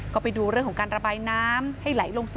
ก็ไปดูเรื่องของการระบายน้ำให้ไหลลงสู่